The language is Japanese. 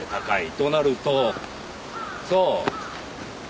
となるとそう。